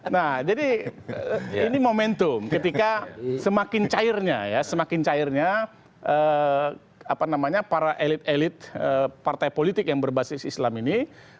nah jadi ini momentum ketika semakin cairnya ya semakin cairnya para elit elit partai politik yang berbasis islam ini